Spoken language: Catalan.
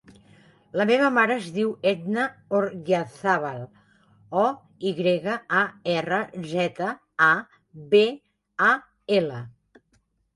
La meva mare es diu Edna Oyarzabal: o, i grega, a, erra, zeta, a, be, a, ela.